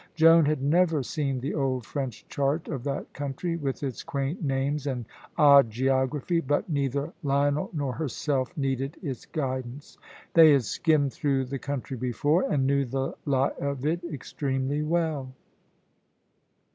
Joan had never seen the old French chart of that country, with its quaint names and odd geography, but neither Lionel nor herself needed its guidance. They had skimmed through the country before, and knew the lie of it extremely well.